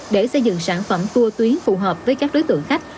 để xây dựng sản phẩm tour tuyến phù hợp với các đối tượng khách